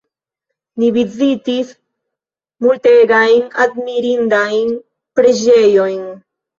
Ni vizitis multegajn admirindajn preĝejojn.